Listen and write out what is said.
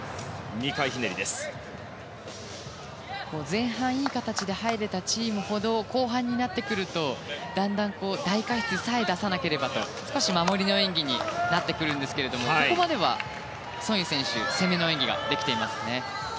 前半いい形で入れたチームほど後半になってくるとだんだん大過失さえ出さなければと少し守りの演技になってくるんですがここまではソン・イ選手攻めの演技ができていますね。